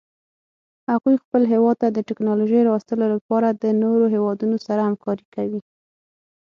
هغوی خپل هیواد ته د تکنالوژۍ راوستلو لپاره د نورو هیوادونو سره همکاري کوي